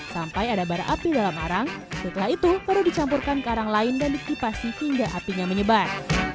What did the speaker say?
sampai ada bara api dalam arang setelah itu baru dicampurkan ke arang lain dan ditipasi hingga apinya menyebar